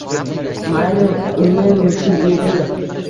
Mayli uni mushuk deydimi